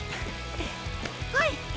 はい！